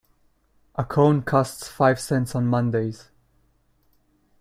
A cone costs five cents on Mondays.